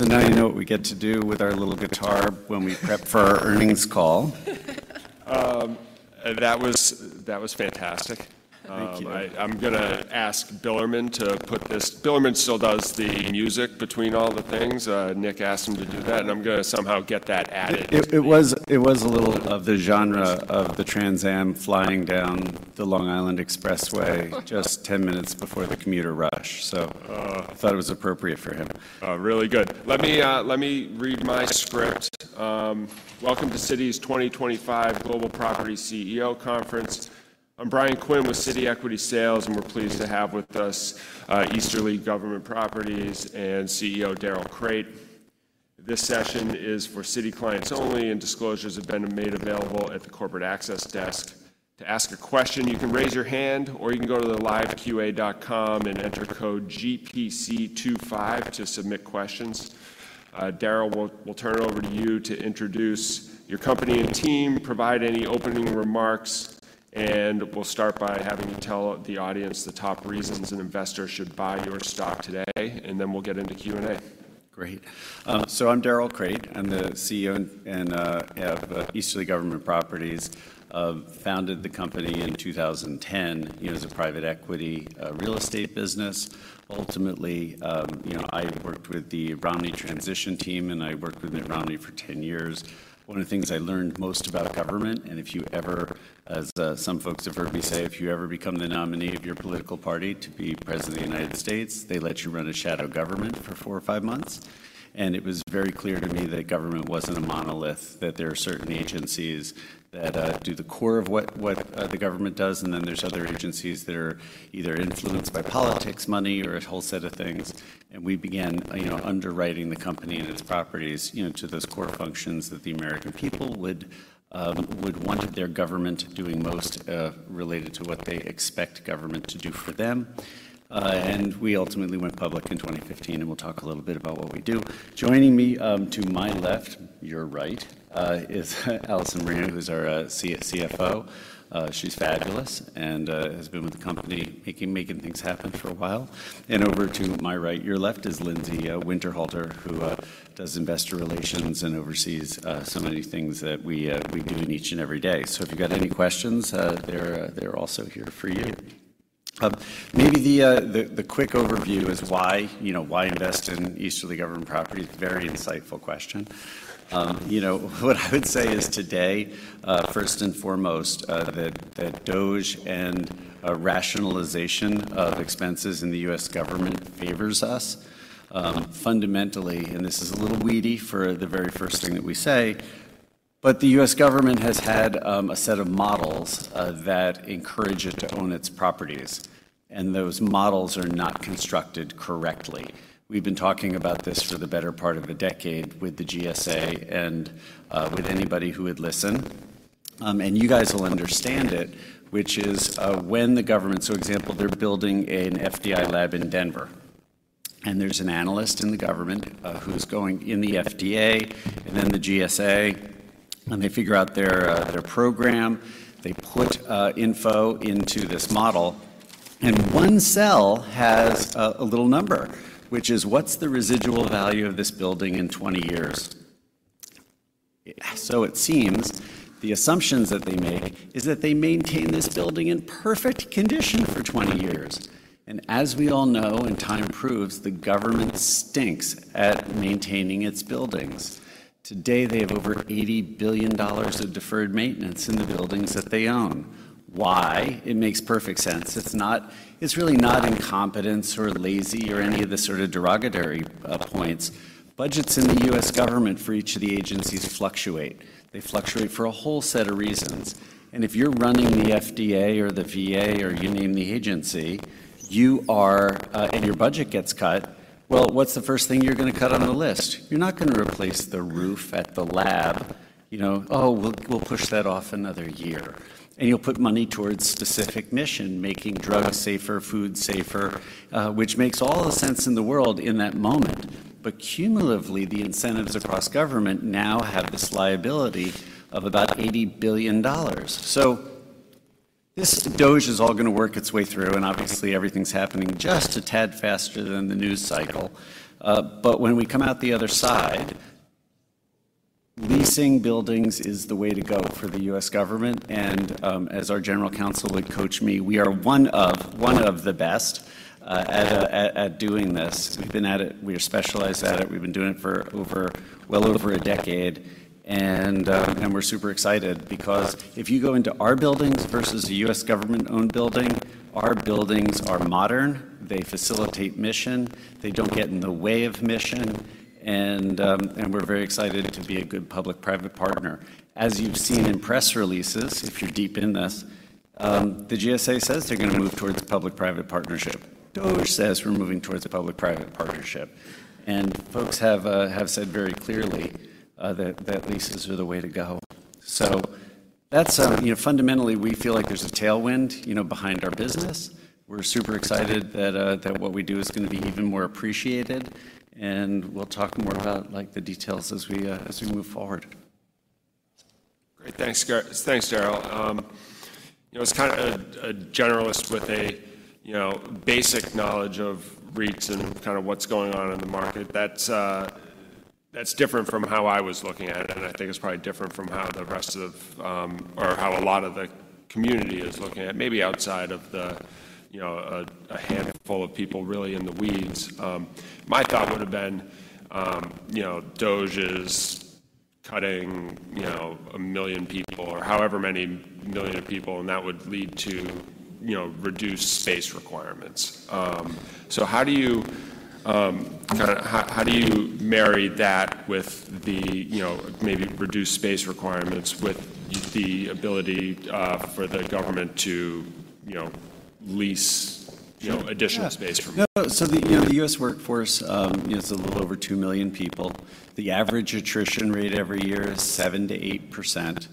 Now you know what we get to do with our little guitar when we prep for our earnings call. That was fantastic. Thank you. I'm going to ask Billerman to put this—Billerman still does the music between all the things. Nick asked him to do that, and I'm going to somehow get that added. It was a little of the genre of the Trans-Am flying down the Long Island Expressway just 10 minutes before the commuter rush, so I thought it was appropriate for him. Really good. Let me read my script. Welcome to Citi's 2025 Global Properties CEO Conference. I'm Brian Quinn with Citi Equity Sales, and we're pleased to have with us Easterly Government Properties and CEO Darrell Crate. This session is for Citi clients only, and disclosures have been made available at the corporate access desk. To ask a question, you can raise your hand, or you can go to the liveqa.com and enter code GPC25 to submit questions. Darrell, we'll turn it over to you to introduce your company and team, provide any opening remarks, and we'll start by having you tell the audience the top reasons an investor should buy your stock today, and then we'll get into Q&A. Great. I'm Darrell Crate. I'm the CEO and Head of Easterly Government Properties. Founded the company in 2010 as a private equity real estate business. Ultimately, I worked with the Romney transition team, and I worked with Romney for 10 years. One of the things I learned most about government—and if you ever, as some folks at Verby say, if you ever become the nominee of your political party to be president of the United States, they let you run a shadow government for four or five months—it was very clear to me that government was not a monolith, that there are certain agencies that do the core of what the government does, and then there are other agencies that are either influenced by politics, money, or a whole set of things. We began underwriting the company and its properties to those core functions that the American people would want their government doing most related to what they expect government to do for them. We ultimately went public in 2015, and we'll talk a little bit about what we do. Joining me to my left, your right, is Allison Marino, who's our CFO. She's fabulous and has been with the company making things happen for a while. Over to my right, your left, is Lindsay Winterhalter, who does investor relations and oversees so many things that we do in each and every day. If you've got any questions, they're also here for you. Maybe the quick overview is why invest in Easterly Government Properties? Very insightful question. What I would say is today, first and foremost, that DOGE and rationalization of expenses in the U.S. Government favors us fundamentally, and this is a little weedy for the very first thing that we say, but the U.S. government has had a set of models that encourage it to own its properties, and those models are not constructed correctly. We've been talking about this for the better part of a decade with the GSA and with anybody who would listen, and you guys will understand it, which is when the government—for example, they're building an FDA lab in Denver, and there's an analyst in the government who's going in the FDA and then the GSA, and they figure out their program, they put info into this model, and one cell has a little number, which is, "What's the residual value of this building in 20 years?" It seems the assumptions that they make is that they maintain this building in perfect condition for 20 years. As we all know, and time proves, the government stinks at maintaining its buildings. Today, they have over $80 billion of deferred maintenance in the buildings that they own. Why? It makes perfect sense. It's really not incompetence or lazy or any of the sort of derogatory points. Budgets in the U.S. government for each of the agencies fluctuate. They fluctuate for a whole set of reasons. If you're running the FDA or the VA or you name the agency, and your budget gets cut, what's the first thing you're going to cut on the list? You're not going to replace the roof at the lab. "Oh, we'll push that off another year." You'll put money towards specific mission, making drugs safer, food safer, which makes all the sense in the world in that moment. Cumulatively, the incentives across government now have this liability of about $80 billion. This DOGE is all going to work its way through, and obviously, everything's happening just a tad faster than the news cycle. When we come out the other side, leasing buildings is the way to go for the U.S. government. As our general counsel would coach me, we are one of the best at doing this. We've been at it. We are specialized at it. We've been doing it for well over a decade, and we're super excited because if you go into our buildings versus a U.S. government-owned building, our buildings are modern. They facilitate mission. They don't get in the way of mission. We're very excited to be a good public-private partner. As you've seen in press releases, if you're deep in this, the GSA says they're going to move towards public-private partnership. DOGE says we're moving towards a public-private partnership. Folks have said very clearly that leases are the way to go. Fundamentally, we feel like there's a tailwind behind our business. We're super excited that what we do is going to be even more appreciated. We'll talk more about the details as we move forward. Great. Thanks, Darrell. As kind of a generalist with a basic knowledge of REITs and kind of what's going on in the market, that's different from how I was looking at it. I think it's probably different from how the rest of or how a lot of the community is looking at it, maybe outside of a handful of people really in the weeds. My thought would have been DOGE is cutting a million people or however many million people, and that would lead to reduced space requirements. How do you marry that with the maybe reduced space requirements with the ability for the government to lease additional space? The U.S. workforce is a little over 2 million people. The average attrition rate every year is 7%-8%.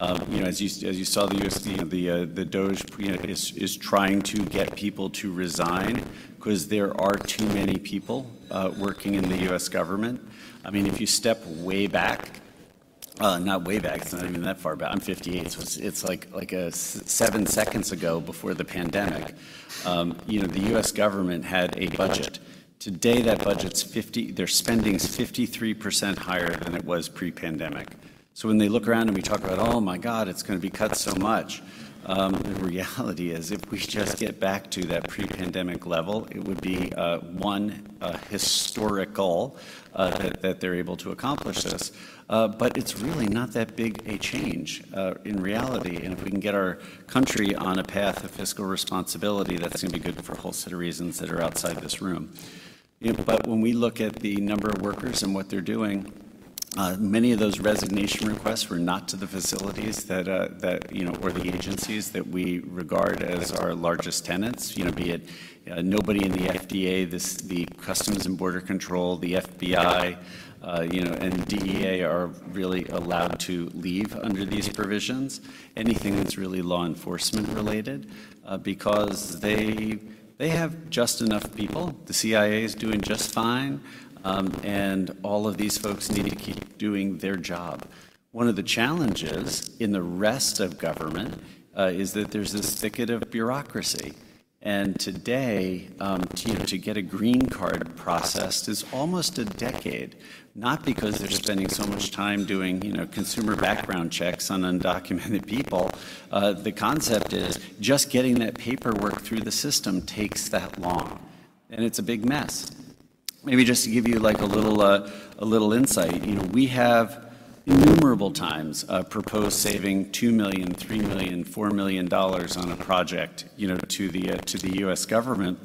As you saw, the DOGE is trying to get people to resign because there are too many people working in the U.S. government. I mean, if you step way back—not way back, because I'm not even that far back. I'm 58, so it's like seven seconds ago before the pandemic. The U.S. government had a budget. Today, that budget's 50—their spending's 53% higher than it was pre-pandemic. When they look around and we talk about, "Oh, my God, it's going to be cut so much," the reality is if we just get back to that pre-pandemic level, it would be one historic goal that they're able to accomplish this. It's really not that big a change in reality. If we can get our country on a path of fiscal responsibility, that's going to be good for a whole set of reasons that are outside this room. When we look at the number of workers and what they're doing, many of those resignation requests were not to the facilities or the agencies that we regard as our largest tenants, be it nobody in the FDA, the Customs and Border Control, the FBI, and DEA are really allowed to leave under these provisions. Anything that's really law enforcement related because they have just enough people. The CIA is doing just fine, and all of these folks need to keep doing their job. One of the challenges in the rest of government is that there's this thicket of bureaucracy. Today, to get a green card processed is almost a decade, not because they're spending so much time doing consumer background checks on undocumented people. The concept is just getting that paperwork through the system takes that long, and it's a big mess. Maybe just to give you a little insight, we have innumerable times proposed saving $2 million, $3 million, $4 million on a project to the U.S. government.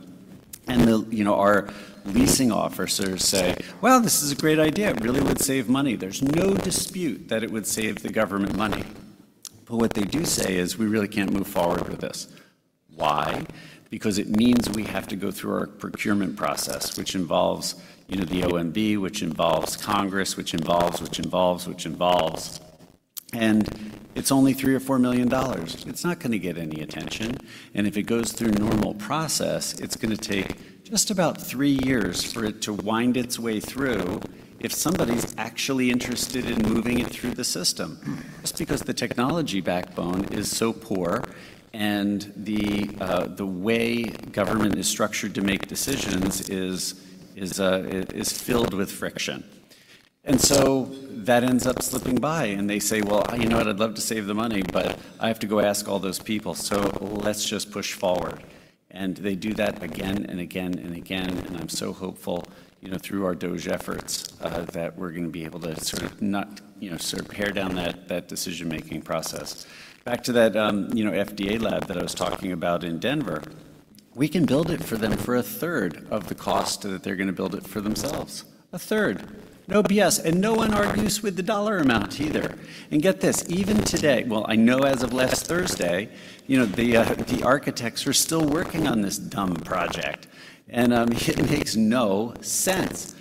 Our leasing officers say, "This is a great idea. It really would save money." There's no dispute that it would save the government money. What they do say is, "We really can't move forward with this." Why? Because it means we have to go through our procurement process, which involves the OMB, which involves Congress, which involves, which involves, which involves. It's only $3 million-$4 million. It's not going to get any attention. If it goes through normal process, it's going to take just about three years for it to wind its way through if somebody's actually interested in moving it through the system, just because the technology backbone is so poor and the way government is structured to make decisions is filled with friction. That ends up slipping by, and they say, "You know what? I'd love to save the money, but I have to go ask all those people. Let's just push forward." They do that again and again and again. I'm so hopeful through our DOGE efforts that we're going to be able to sort of pare down that decision-making process. Back to that FDA lab that I was talking about in Denver, we can build it for them for a third of the cost that they're going to build it for themselves. A third. No BS. No one argues with the dollar amount either. Get this, even today—I know as of last Thursday, the architects are still working on this dumb project, and it makes no sense.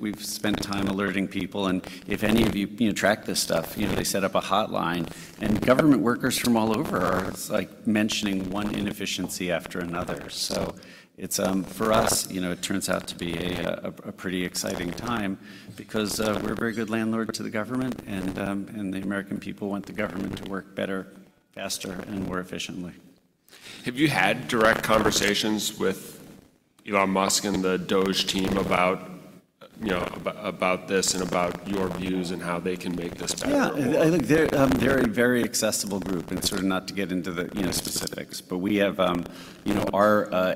We have spent time alerting people. If any of you track this stuff, they set up a hotline, and government workers from all over are mentioning one inefficiency after another. For us, it turns out to be a pretty exciting time because we're a very good landlord to the government, and the American people want the government to work better, faster, and more efficiently. Have you had direct conversations with Elon Musk and the DOGE team about this and about your views and how they can make this better? Yeah. They're a very accessible group. Not to get into the specifics, but we have our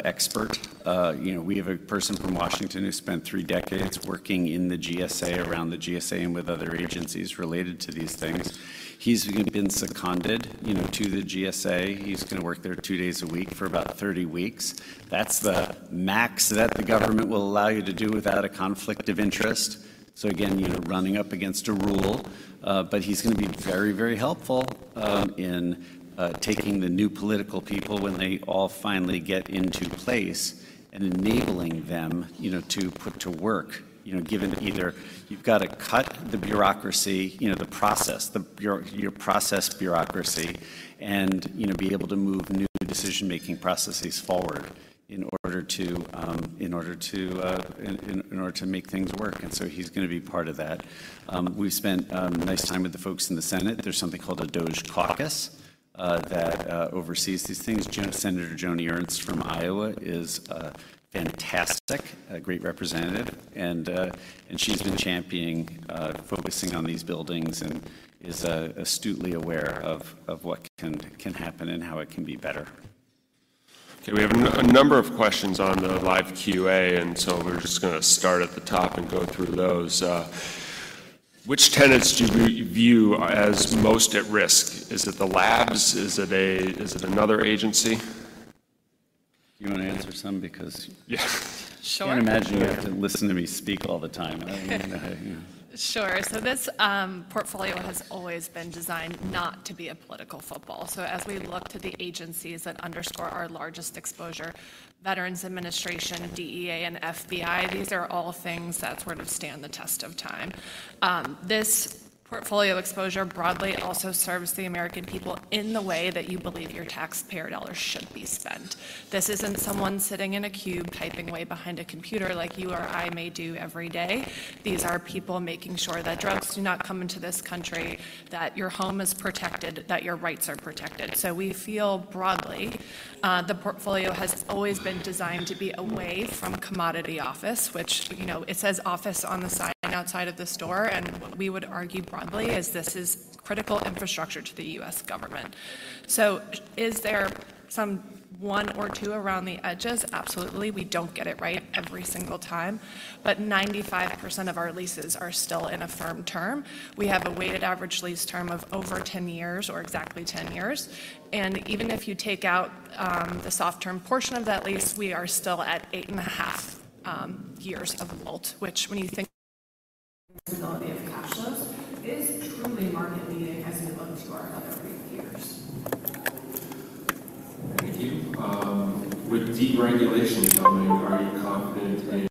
expert. We have a person from Washington who spent three decades working in the GSA, around the GSA, and with other agencies related to these things. He's been seconded to the GSA. He's going to work there two days a week for about 30 weeks. That's the max that the government will allow you to do without a conflict of interest. Again, running up against a rule. He's going to be very, very helpful in taking the new political people when they all finally get into place and enabling them to put to work, given either you've got to cut the bureaucracy, the process, your process bureaucracy, and be able to move new decision-making processes forward in order to make things work. He is going to be part of that. We have spent nice time with the folks in the Senate. There is something called a DOGE Caucus that oversees these things. Senator Joni Ernst from Iowa is fantastic, a great representative. She has been championing, focusing on these buildings and is astutely aware of what can happen and how it can be better. Okay. We have a number of questions on the live Q&A, and so we're just going to start at the top and go through those. Which tenants do you view as most at risk? Is it the labs? Is it another agency? Do you want to answer some? Because I'm imagining you have to listen to me speak all the time. Sure. This portfolio has always been designed not to be a political football. As we look to the agencies that underscore our largest exposure, Veterans Administration, DEA, and FBI, these are all things that sort of stand the test of time. This portfolio exposure broadly also serves the American people in the way that you believe your taxpayer dollars should be spent. This is not someone sitting in a cube typing way behind a computer like you or I may do every day. These are people making sure that drugs do not come into this country, that your home is protected, that your rights are protected. We feel broadly, the portfolio has always been designed to be away from commodity office, which says office on the side and outside of the store. What we would argue broadly is this is critical infrastructure to the U.S. government. Is there some one or two around the edges? Absolutely. We do not get it right every single time. But 95% of our leases are still in a firm term. We have a weighted average lease term of over 10 years or exactly 10 years. Even if you take out the soft-term portion of that lease, we are still at 8.5 years of WALT, which when you think capability of cash flows is truly market-leading as we look to our other peers. Thank you. With deregulation coming, are you confident?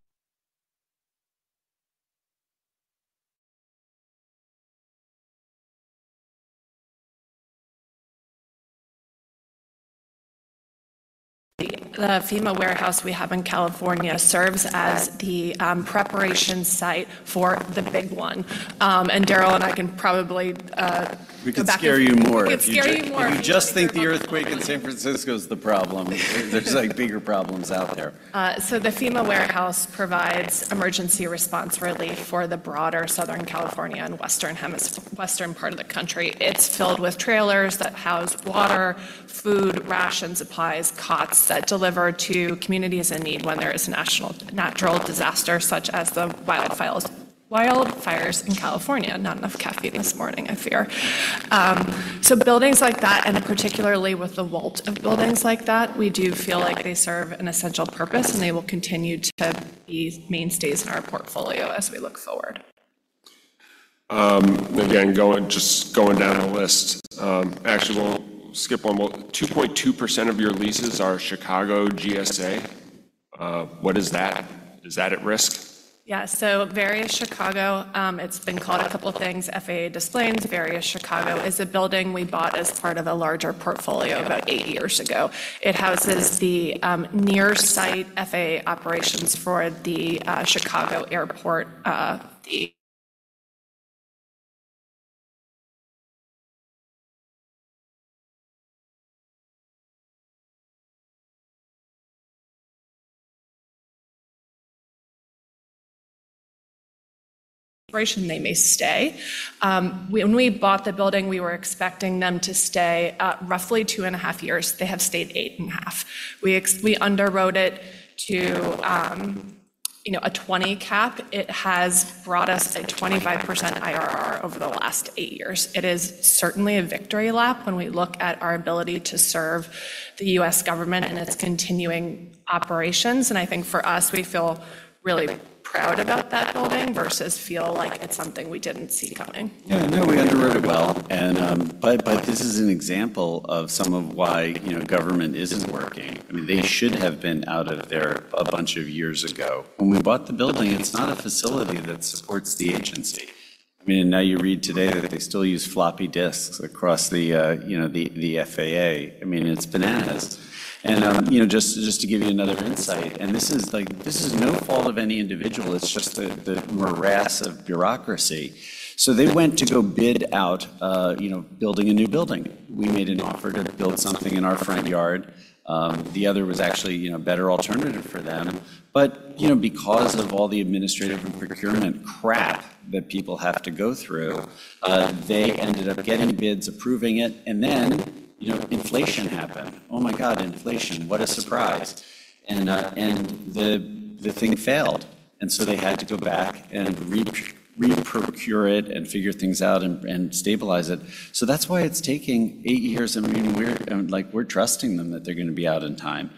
The FEMA warehouse we have in California serves as the preparation site for the big one. Darrell and I can probably. We could scare you more. We could scare you more. If you just think the earthquake in San Francisco's the problem, there's bigger problems out there. The FEMA warehouse provides emergency response relief for the broader Southern California and western part of the country. It's filled with trailers that house water, food, ration supplies, cots that deliver to communities in need when there is a natural disaster such as the wildfires in California. Not enough caffeine this morning, I fear. Buildings like that, and particularly with the WALT of buildings like that, we do feel like they serve an essential purpose, and they will continue to be mainstays in our portfolio as we look forward. Again, just going down the list, actually, we'll skip one. 2.2% of your leases are Chicago GSA. What is that? Is that at risk? Yeah. Various Chicago, it's been called a couple of things, FAA Des Plaines. Various Chicago is a building we bought as part of a larger portfolio about eight years ago. It houses the near-site FAA operations for the Chicago Airport. They may stay. When we bought the building, we were expecting them to stay roughly two and a half years. They have stayed eight and a half. We underwrote it to a 20% cap. It has brought us a 25% IRR over the last eight years. It is certainly a victory lap when we look at our ability to serve the U.S. government and its continuing operations. I think for us, we feel really proud about that building versus feel like it's something we didn't see coming. Yeah. No, we underwrote it well. This is an example of some of why government isn't working. I mean, they should have been out of there a bunch of years ago. When we bought the building, it's not a facility that supports the agency. I mean, now you read today that they still use floppy disks across the FAA. I mean, it's bananas. Just to give you another insight, and this is no fault of any individual. It's just the morass of bureaucracy. They went to go bid out building a new building. We made an offer to build something in our front yard. The other was actually a better alternative for them. Because of all the administrative and procurement crap that people have to go through, they ended up getting bids, approving it, and then inflation happened. Oh, my God, inflation. What a surprise. The thing failed. They had to go back and reprocure it and figure things out and stabilize it. That is why it is taking eight years. We are trusting them that they are going to be out in time.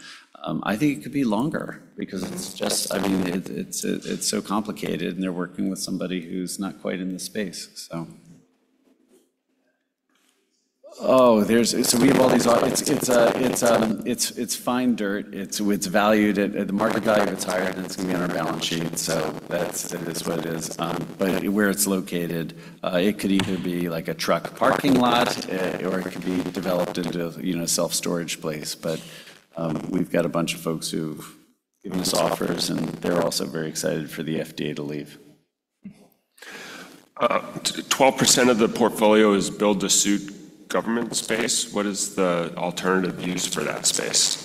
I think it could be longer because it is just, I mean, it is so complicated, and they are working with somebody who is not quite in the space. We have all these, it is fine dirt. It is valued. The market value of it is higher, and it is going to be on our balance sheet. That is what it is. Where it is located, it could either be like a truck parking lot, or it could be developed into a self-storage place. We have a bunch of folks who have given us offers, and they are also very excited for the FDA to leave. 12% of the portfolio is build-to-suit government space. What is the alternative use for that space?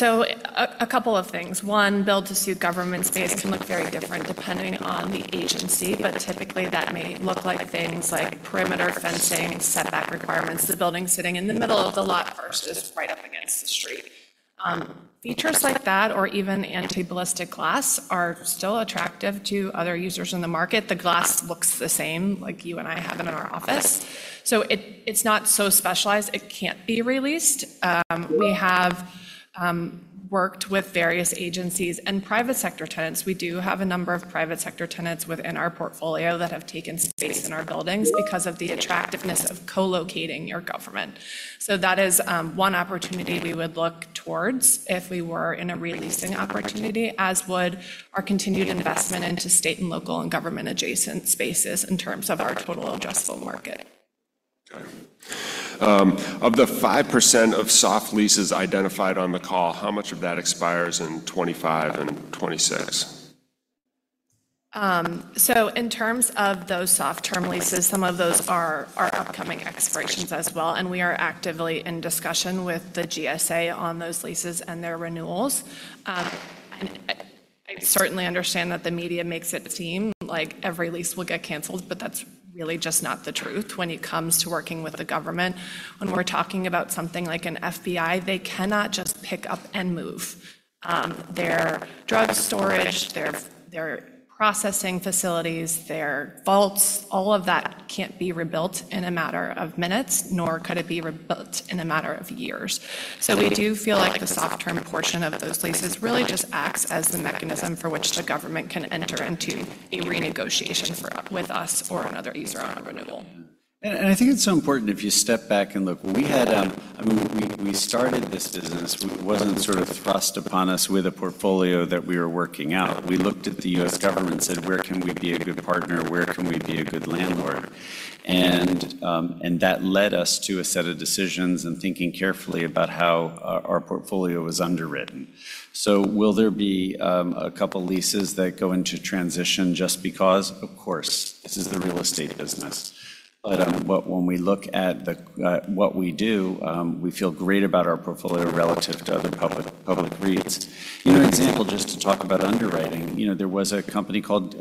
A couple of things. One, build-to-suit government space can look very different depending on the agency. Typically, that may look like things like perimeter fencing, setback requirements, the building sitting in the middle of the lot versus right up against the street. Features like that, or even anti-ballistic glass, are still attractive to other users in the market. The glass looks the same like you and I have in our office. It is not so specialized it cannot be released. We have worked with various agencies and private sector tenants. We do have a number of private sector tenants within our portfolio that have taken space in our buildings because of the attractiveness of co-locating your government. That is one opportunity we would look towards if we were in a releasing opportunity, as would our continued investment into state and local and government-adjacent spaces in terms of our total addressable market. Got it. Of the 5% of soft leases identified on the call, how much of that expires in 2025 and 2026? In terms of those soft-term leases, some of those are upcoming expirations as well. We are actively in discussion with the GSA on those leases and their renewals. I certainly understand that the media makes it seem like every lease will get canceled, but that's really just not the truth when it comes to working with the government. When we're talking about something like an FBI, they cannot just pick up and move. Their drug storage, their processing facilities, their vaults, all of that can't be rebuilt in a matter of minutes, nor could it be rebuilt in a matter of years. We do feel like the soft-term portion of those leases really just acts as the mechanism for which the government can enter into a renegotiation with us or another user on a renewal. I think it's so important if you step back and look. I mean, we started this business. It wasn't sort of thrust upon us with a portfolio that we were working out. We looked at the U.S. government and said, "Where can we be a good partner? Where can we be a good landlord?" That led us to a set of decisions and thinking carefully about how our portfolio was underwritten. Will there be a couple of leases that go into transition just because? Of course, this is the real estate business. When we look at what we do, we feel great about our portfolio relative to other public REITs. Another example, just to talk about underwriting, there was a company called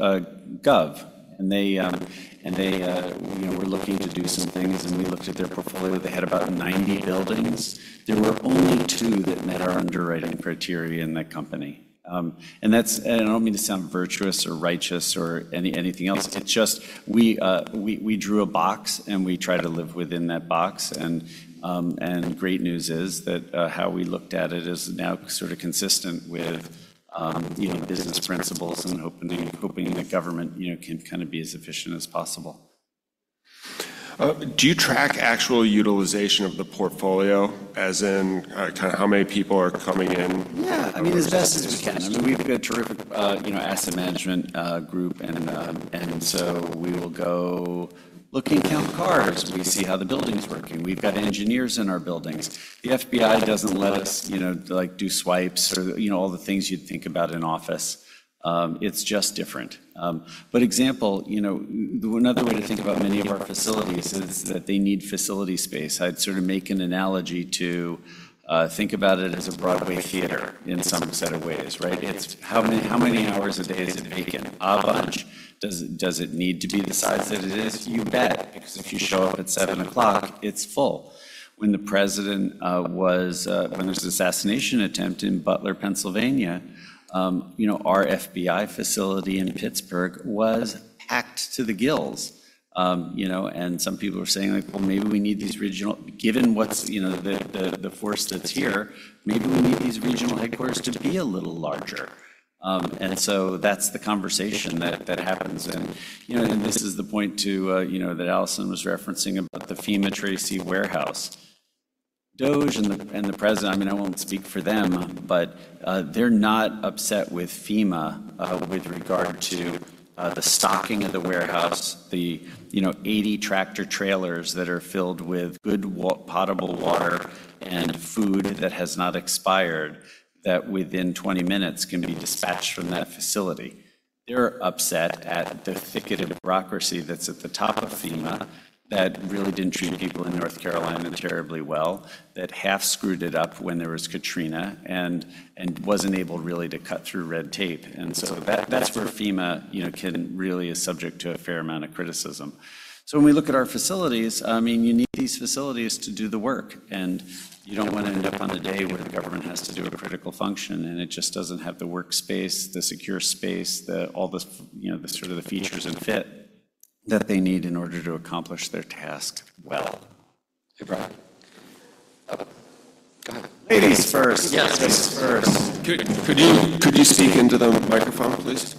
GOV, and they were looking to do some things. We looked at their portfolio. They had about 90 buildings. There were only two that met our underwriting criteria in that company. I do not mean to sound virtuous or righteous or anything else. It is just we drew a box, and we try to live within that box. The great news is that how we looked at it is now sort of consistent with business principles and hoping that government can kind of be as efficient as possible. Do you track actual utilization of the portfolio, as in kind of how many people are coming in? Yeah. I mean, as best as we can. I mean, we've got a terrific asset management group. And so we will go look and count cars. We see how the building's working. We've got engineers in our buildings. The FBI doesn't let us do swipes or all the things you'd think about in office. It's just different. An example, another way to think about many of our facilities is that they need facility space. I'd sort of make an analogy to think about it as a Broadway theater in some set of ways, right? It's how many hours a day is it vacant? A bunch. Does it need to be the size that it is? You bet. Because if you show up at 7:00, it's full. When the president was, when there was an assassination attempt in Butler, Pennsylvania, our FBI facility in Pittsburgh was packed to the gills. Some people were saying, "Well, maybe we need these regional, given the force that's here, maybe we need these regional headquarters to be a little larger." That is the conversation that happens. This is the point that Allison was referencing about the FEMA Tracy warehouse. DOGE and the president, I mean, I won't speak for them, but they're not upset with FEMA with regard to the stocking of the warehouse, the 80 tractor trailers that are filled with good potable water and food that has not expired, that within 20 minutes can be dispatched from that facility. They're upset at the thicketed bureaucracy that's at the top of FEMA that really didn't treat people in North Carolina terribly well, that half screwed it up when there was Katrina and wasn't able really to cut through red tape. That's where FEMA can really is subject to a fair amount of criticism. When we look at our facilities, I mean, you need these facilities to do the work. You don't want to end up on the day where the government has to do a critical function, and it just doesn't have the workspace, the secure space, all the sort of features and fit that they need in order to accomplish their task well. Go ahead. Ladies first. Yes, ladies first. Could you speak into the microphone, please?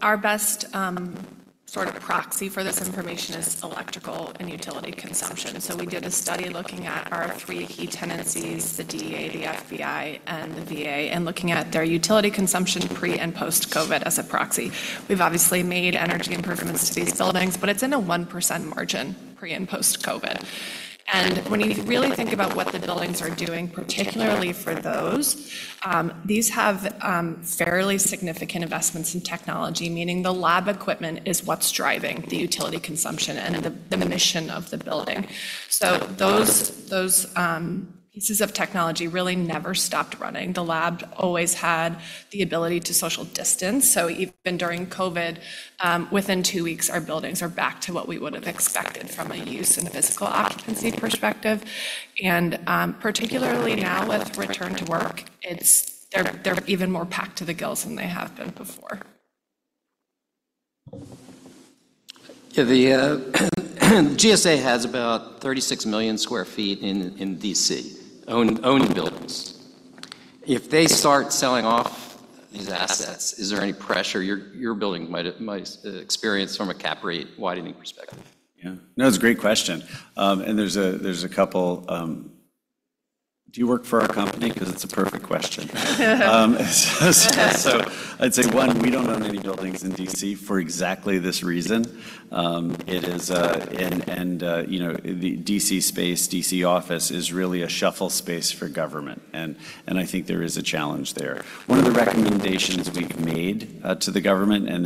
Our best sort of proxy for this information is electrical and utility consumption. We did a study looking at our three key tenancies: the DEA, the FBI, and the VA, and looking at their utility consumption pre and post-COVID as a proxy. We've obviously made energy improvements to these buildings, but it's in a 1% margin pre and post-COVID. When you really think about what the buildings are doing, particularly for those, these have fairly significant investments in technology, meaning the lab equipment is what's driving the utility consumption and the mission of the building. Those pieces of technology really never stopped running. The lab always had the ability to social distance. Even during COVID, within two weeks, our buildings are back to what we would have expected from a use and a physical occupancy perspective. Particularly now with return to work, they're even more packed to the gills than they have been before. Yeah. The GSA has about 36 million sq ft in Washington, D.C., owned buildings. If they start selling off these assets, is there any pressure your building might experience from a cap rate widening perspective? Yeah. No, it's a great question. There's a couple. Do you work for our company? Because it's a perfect question. I'd say, one, we don't own any buildings in Washington, D.C. for exactly this reason. The D.C. space, D.C. office is really a shuffle space for government. I think there is a challenge there. One of the recommendations we've made to the government, and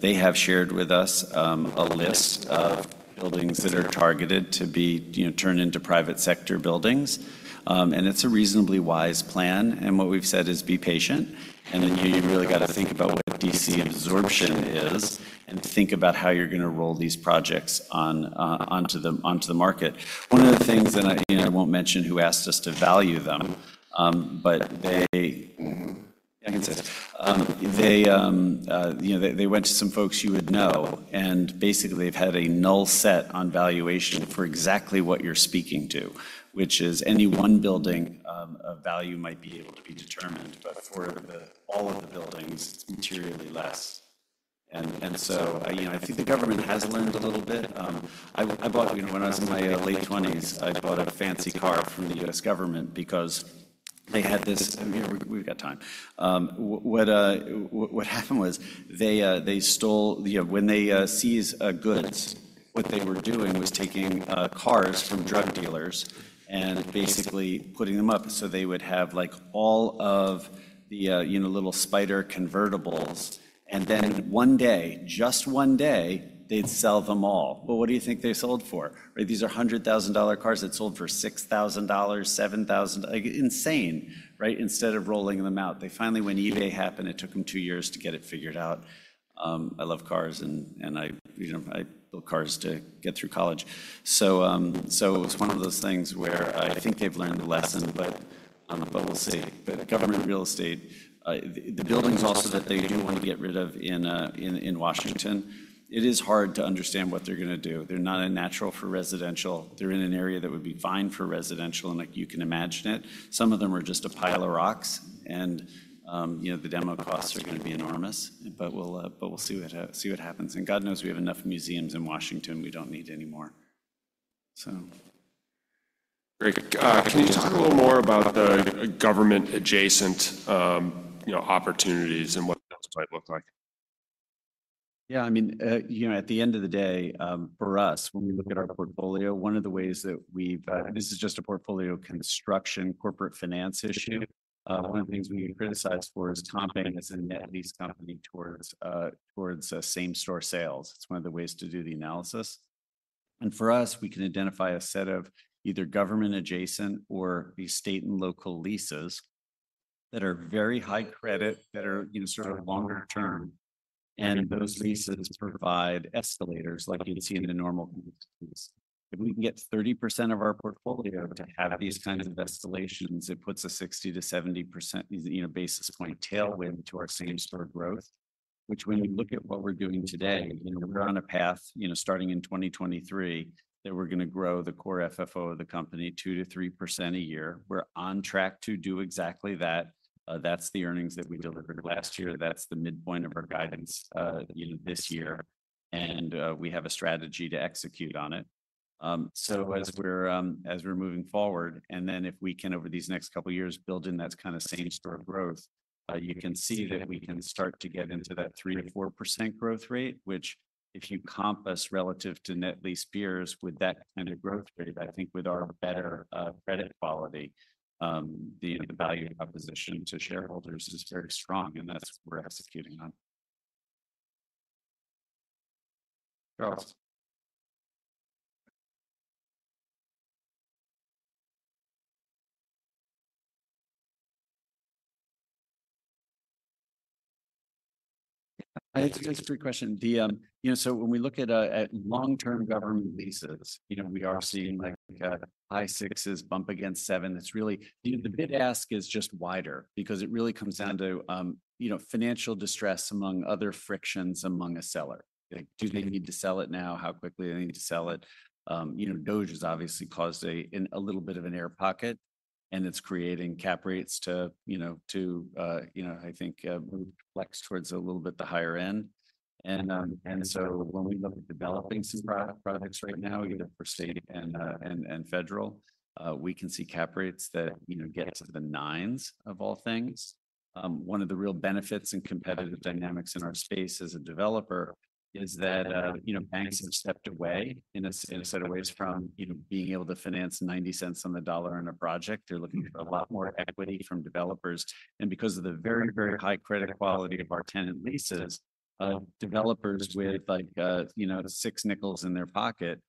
they have shared with us a list of buildings that are targeted to be turned into private sector buildings. It's a reasonably wise plan. What we've said is be patient. You really got to think about what DC absorption is and think about how you're going to roll these projects onto the market. One of the things, I won't mention who asked us to value them, but they went to some folks you would know. Basically, they've had a null set on valuation for exactly what you're speaking to, which is any one building of value might be able to be determined. For all of the buildings, it's materially less. I think the government has learned a little bit. I bought, when I was in my late twenties, I bought a fancy car from the U.S. government because they had this—we've got time. What happened was they stole—when they seized goods, what they were doing was taking cars from drug dealers and basically putting them up so they would have all of the little spider convertibles. Then one day, just one day, they'd sell them all. What do you think they sold for? These are $100,000 cars that sold for $6,000, $7,000. Insane, right? Instead of rolling them out, they finally, when eBay happened, it took them two years to get it figured out. I love cars, and I build cars to get through college. It was one of those things where I think they've learned the lesson, but we'll see. Government real estate, the buildings also that they do want to get rid of in Washington, it is hard to understand what they're going to do. They're not a natural for residential. They're in an area that would be fine for residential, and you can imagine it. Some of them are just a pile of rocks. The demo costs are going to be enormous. We'll see what happens. God knows we have enough museums in Washington we don't need anymore, so. Great. Can you talk a little more about the government-adjacent opportunities and what those might look like? Yeah. I mean, at the end of the day, for us, when we look at our portfolio, one of the ways that we've—this is just a portfolio construction corporate finance issue. One of the things we get criticized for is comping as a net lease company towards same-store sales. It's one of the ways to do the analysis. For us, we can identify a set of either government-adjacent or these state and local leases that are very high credit, that are sort of longer term. Those leases provide escalators like you'd see in a normal lease. If we can get 30% of our portfolio to have these kinds of escalations, it puts a 60-70 basis point tailwind to our same-store growth, which when you look at what we're doing today, we're on a path starting in 2023 that we're going to grow the core FFO of the company 2%-3% a year. We're on track to do exactly that. That's the earnings that we delivered last year. That's the midpoint of our guidance this year. We have a strategy to execute on it. As we're moving forward, and then if we can, over these next couple of years, build in that kind of same-store growth, you can see that we can start to get into that 3%-4% growth rate, which if you comp us relative to net lease peers with that kind of growth rate, I think with our better credit quality, the value proposition to shareholders is very strong. That's what we're executing on. [Charles]. It's a great question. When we look at long-term government leases, we are seeing high sixes bump against seven. The bid-ask is just wider because it really comes down to financial distress among other frictions among a seller. Do they need to sell it now? How quickly do they need to sell it? DOGE has obviously caused a little bit of an air pocket, and it's creating cap rates to, I think, flex towards a little bit the higher end. When we look at developing some products right now, either for state and federal, we can see cap rates that get to the nines of all things. One of the real benefits and competitive dynamics in our space as a developer is that banks have stepped away in a set of ways from being able to finance 90 cents on the dollar on a project. They're looking for a lot more equity from developers. Because of the very, very high credit quality of our tenant leases, developers with six nickels in their pocket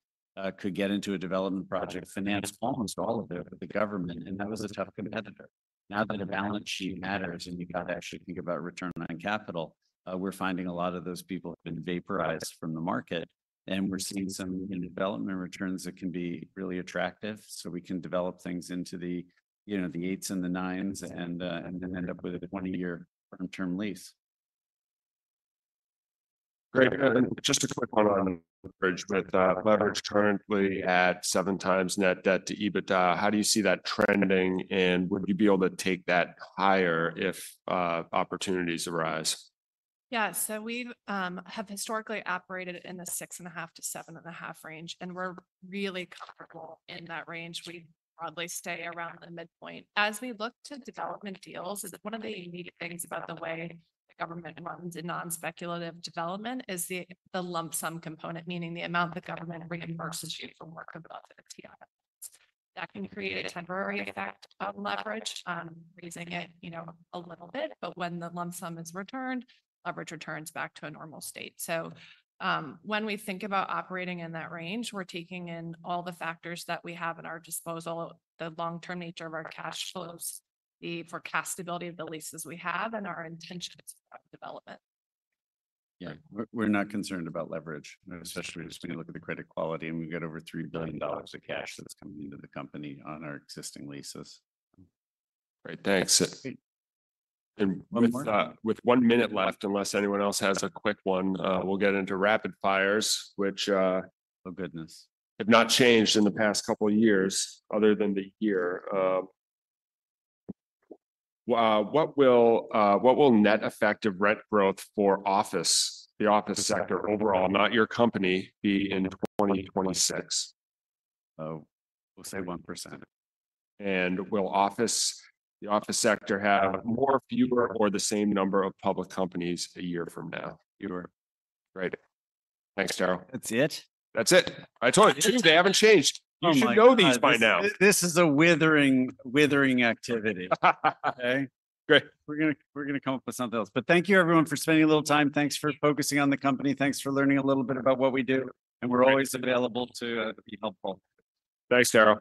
could get into a development project, finance almost all of it with the government. That was a tough competitor. Now that a balance sheet matters and you've got to actually think about return on capital, we're finding a lot of those people have been vaporized from the market. We're seeing some development returns that can be really attractive. We can develop things into the eights and the nines and then end up with a 20-year term lease. Great. Just a quick one on leverage. With leverage currently at seven times net debt to EBITDA, how do you see that trending? Would you be able to take that higher if opportunities arise? Yeah. We have historically operated in the six and a half to seven and a half range. We're really comfortable in that range. We'd probably stay around the midpoint. As we look to development deals, one of the unique things about the way the government runs in non-speculative development is the lump sum component, meaning the amount the government reimburses you for work above the TRFS. That can create a temporary effect of leverage, raising it a little bit. When the lump sum is returned, leverage returns back to a normal state. When we think about operating in that range, we're taking in all the factors that we have at our disposal, the long-term nature of our cash flows, the forecastability of the leases we have, and our intentions about development. Yeah. We're not concerned about leverage, especially as we look at the credit quality. And we've got over $3 billion of cash that's coming into the company on our existing leases. Great. Thanks. With one minute left, unless anyone else has a quick one, we'll get into rapid fires, which, oh goodness, have not changed in the past couple of years other than the year. What will net effective rent growth for office, the office sector overall, not your company, be in 2026? We'll say 1%. Will the office sector have more, fewer, or the same number of public companies a year from now? Great. Thanks, Darrell. That's it? That's it. I told you, Tuesday haven't changed. You should know these by now. This is a withering activity. Okay. Great. We're going to come up with something else. Thank you, everyone, for spending a little time. Thanks for focusing on the company. Thanks for learning a little bit about what we do. We're always available to be helpful. Thanks, Darrell.